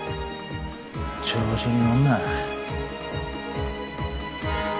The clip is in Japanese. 調子に乗んな。